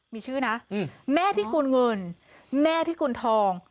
มีชื่อนะแม่พิกุลเงินแม่พิกุณฑอง